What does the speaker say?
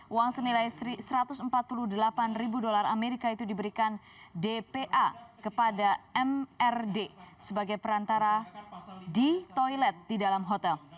uang senilai satu ratus empat puluh delapan ribu dolar amerika itu diberikan dpa kepada mrd sebagai perantara di toilet di dalam hotel